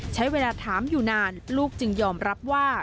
ใช้เวลาถามอยู่นานลูกจึงยอมรับว่า